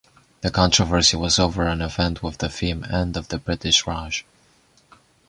The controversy was over an event with the theme "End of the British Raj".